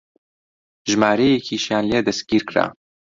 ژمارەیەکیشیان لێ دەستگیر کرا